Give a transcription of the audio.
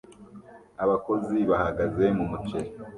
Abakozi bahagaze mu muceri